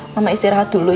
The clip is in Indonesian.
mama istirahat dulu ya